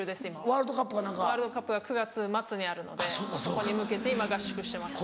ワールドカップが９月末にあるのでそこに向けて今合宿してます。